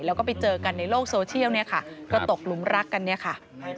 แล้วก็ไปเจอกันในโลกโซเชียลก็ตกหลุมรักกันนี่ค่ะ